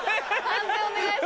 判定お願いします。